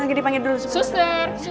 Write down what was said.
yang pertamanya ngerang sipu